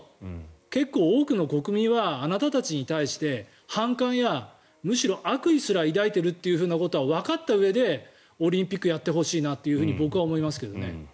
結構多くの国民はあなたたちに対して反感やむしろ悪意すら抱いているということはわかったうえでオリンピックをやってほしいなと僕は思いますけどね。